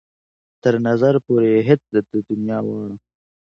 تر نظر پورې يې هېڅ ده د دنيا واړه.